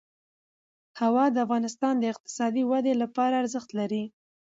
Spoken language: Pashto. هوا د افغانستان د اقتصادي ودې لپاره ارزښت لري.